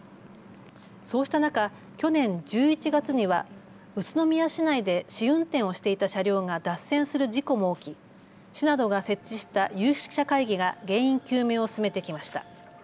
そうした中、去年１１月には宇都宮市内で試運転をしていた車両が脱線する事故も起き市などが設置した有識者会議が原因究明を進めてきました。